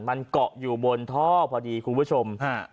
มันเกาะอยู่บนท่อพอดีคุณผู้ชมฮะ